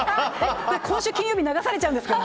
今週金曜日に流されちゃうんですか。